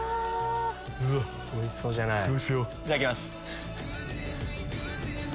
いただきます。